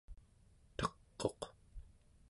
teq'uq